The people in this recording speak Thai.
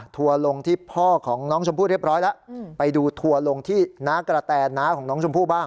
ทัวร์ลงที่พ่อของน้องชมพู่เรียบร้อยแล้วไปดูทัวร์ลงที่น้ากระแตน้าของน้องชมพู่บ้าง